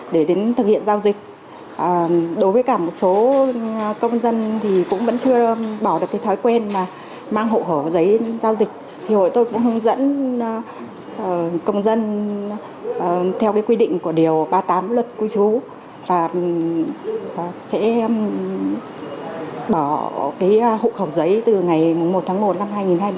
điều ba mươi tám luật của chú sẽ bỏ hộ khẩu giấy từ ngày một tháng một năm hai nghìn hai mươi ba